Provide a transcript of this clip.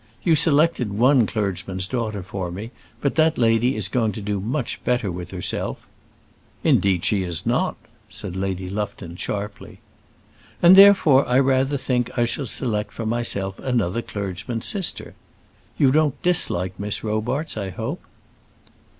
You selected one clergyman's daughter for me, but that lady is going to do much better with herself " "Indeed she is not," said Lady Lufton sharply. "And therefore I rather think I shall select for myself another clergyman's sister. You don't dislike Miss Robarts, I hope?"